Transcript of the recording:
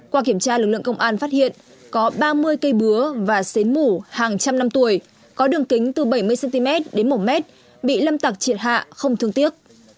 qua kiểm tra lực lượng công an phát hiện có ba mươi cây búa và xến mủ hàng trăm năm tuổi có đường kính từ bảy mươi cm đến một m bị lâm tặc triệt hạ không thương tiếc